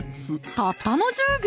たったの１０秒？